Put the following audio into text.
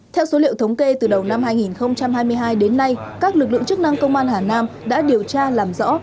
theo số liệu thống kê từ đầu năm hai nghìn hai mươi hai đến nay các lực lượng chức năng công an hà nam đã điều tra làm rõ